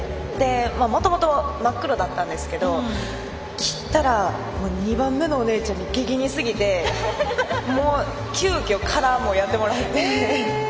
もともと真っ黒だったんですけど切ったら２番目のお姉ちゃんに激似すぎてもう、急きょカラーもやってもらって。